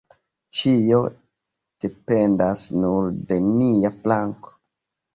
Ĉio dependas nur de nia flanko.